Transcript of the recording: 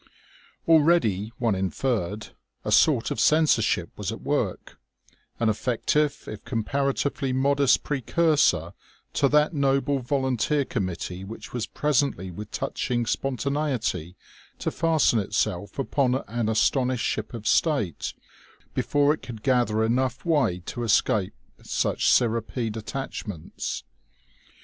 Already, one inferred, a sort of censorship was at work, an effective if comparatively modest precursor to that noble volunteer committee which was presently with touching spontaneity to fasten itself upon an astonished Ship of State before it could gather enough way to escape such cirripede attachments.